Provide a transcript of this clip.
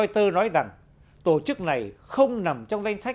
tơ nói rằng tổ chức này không nằm trong danh sách